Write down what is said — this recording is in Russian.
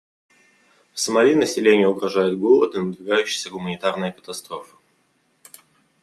В Сомали населению угрожают голод и надвигающаяся гуманитарная катастрофа.